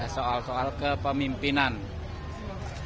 soal soal kepemimpinan